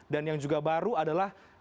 dan yang juga baru adalah